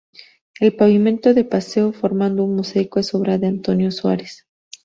El pavimento del paseo, formando un mosaico es obra de Antonio Suárez.